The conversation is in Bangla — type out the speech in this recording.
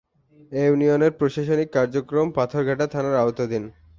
এ ইউনিয়নের প্রশাসনিক কার্যক্রম পাথরঘাটা থানার আওতাধীন।